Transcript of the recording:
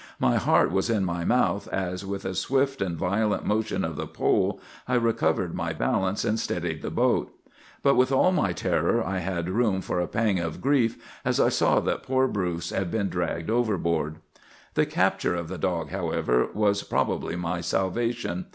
My heart was in my mouth as, with a swift and violent motion of the pole, I recovered my balance, and steadied the boat. But with all my terror I had room for a pang of grief as I saw that poor Bruce had been dragged overboard. "The capture of the dog, however, was probably my salvation.